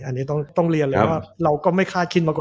อันนี้ต้องเรียนเลยว่าเราก็ไม่คาดที่มันหรอกว่า